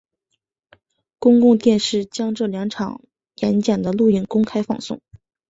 公共电视将这两场演讲的录影公开放送。